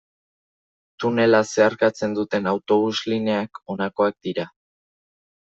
Tunela zeharkatzen duten autobus lineak, honakoak dira.